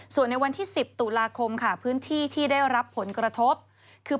ส่วนในวันที่๑๐ตุลาคมค่ะพื้นที่ที่ได้รับผลกระทบคือ